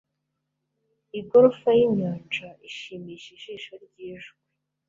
Igorofa yinyanja ishimisha ijisho ryijwi